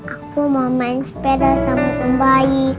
aku mau main sepeda sama pembaik